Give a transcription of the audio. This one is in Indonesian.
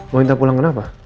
mau minta pulang kenapa